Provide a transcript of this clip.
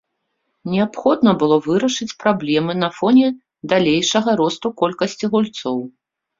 Неабходна было вырашыць праблемы на фоне далейшага росту колькасці гульцоў.